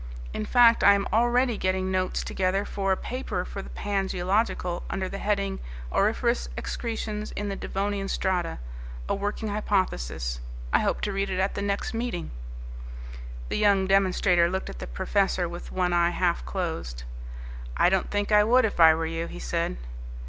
In fact, I am already getting notes together for a paper for the Pan Geological under the heading, Auriferous Excretions in the Devonian Strata: a Working Hypothesis. I hope to read it at the next meeting." The young demonstrator looked at the professor with one eye half closed. "I don't think I would if I were you." he said.